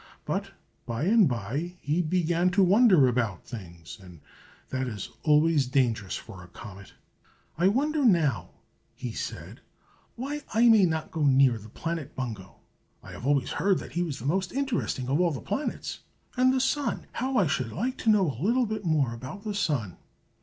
But by and by he began to wonder about things, and that is always dangerous for a comet. "I wonder, now," he said, "why I may not go near the planet Bungo. I have always heard that he was the most interesting of all the planets. And the Sun! how I should like to know a little more about the Sun!